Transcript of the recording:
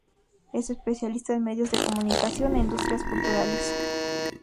Es especialista en medios de comunicación e industrias culturales.